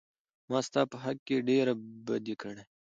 ما ستا په حق کې ډېره بدي کړى.